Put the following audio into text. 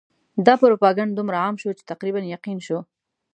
دا پروپاګند دومره عام شو چې تقریباً یقین شو.